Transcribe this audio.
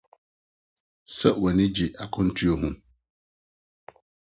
So w'ani gye akwantu ho?